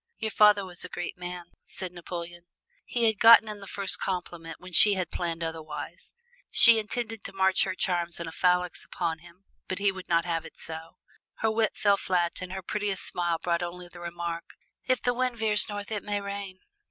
"Your father was a great man," said Napoleon. He had gotten in the first compliment when she had planned otherwise. She intended to march her charms in a phalanx upon him, but he would not have it so. Her wit fell flat and her prettiest smile brought only the remark, "If the wind veers north it may rain."